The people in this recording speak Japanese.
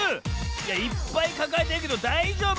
いやいっぱいかかえてるけどだいじょうぶ？